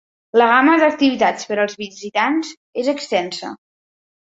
La gamma d'activitats per als visitants és extensa.